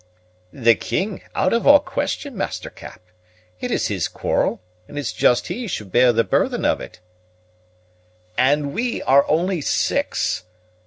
"The king, out of all question, Master Cap. It is his quarrel, and it's just he should bear the burthen o' it." "And we are only six!